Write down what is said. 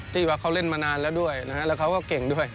ที่ว่าเขาเล่นมานานแล้วด้วยนะฮะแล้วเขาก็เก่งด้วย